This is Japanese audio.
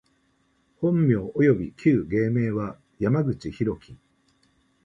本名および旧芸名は、山口大樹（やまぐちひろき）